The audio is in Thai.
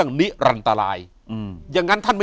อยู่ที่แม่ศรีวิรัยิลครับ